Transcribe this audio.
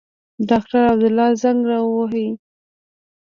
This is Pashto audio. ډاکټر عبدالله زنګ را ووهه.